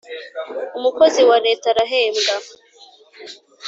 umukozi wa Leta arahembwa